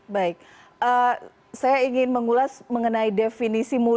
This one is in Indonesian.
baik saya ingin mengulas mengenai definisi muda